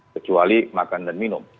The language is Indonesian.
kecuali makan dan minum